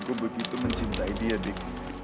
gue begitu mencintai dia dik